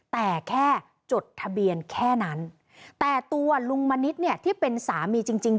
แต่แค่จดทะเบียนแค่นั้นแต่ตัวลุงมณิษฐ์เนี่ยที่เป็นสามีจริงจริง